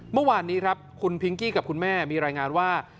เมื่อวานนี้ครับคุณพิงกี้กับคุณแม่มีรายงานว่า